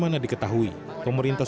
karena regent esta kemahirangan